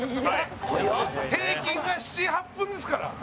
平均が７８分ですから。